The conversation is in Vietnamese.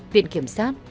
viện kiểm sát